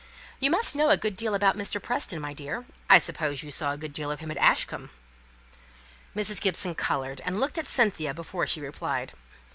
"You must know a good deal about Mr. Preston, my dear. I suppose you saw a good deal of him at Ashcombe?" Mrs. Gibson coloured, and looked at Cynthia before she replied.